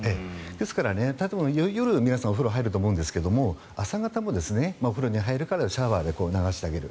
ですから夜、皆さんお風呂入ると思うんですが朝方もお風呂に入ってシャワーで流してあげる。